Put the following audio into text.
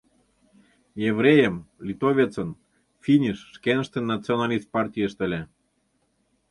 Еврейым, литовецын, финиш шкеныштын националист партийышт ыле.